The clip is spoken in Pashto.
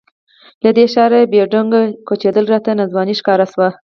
له دې ښاره بې ډونګه کوچېدل راته ناځواني ښکاره شوه.